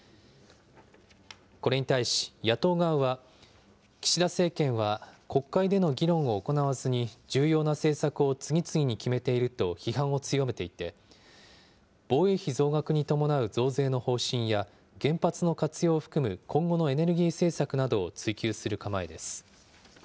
これに対し、野党側は、岸田政権は国会での議論を行わずに重要な政策を次々に決めていると批判を強めていて、防衛費増額に伴う増税の方針や、原発の活用を含む今後のエネルギー政策などを追及する構えです。